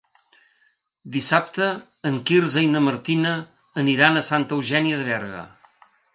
Dissabte en Quirze i na Martina aniran a Santa Eugènia de Berga.